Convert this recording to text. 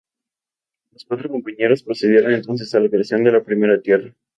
Los cuatro compañeros procedieron entonces a la creación de la primera tierra.